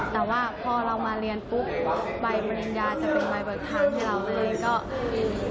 แต่ว่าพอเรามาเรียนปุ๊บใบบริญญาจะเป็นใบบัตรฐานให้เราเลย